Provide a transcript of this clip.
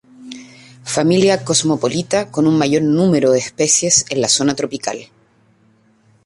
Familia cosmopolita con un mayor número de especies en la zona tropical.